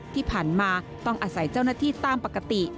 ที่ผ่านมาต้องอาศัยเจ้าหน้าที่ตามปกติ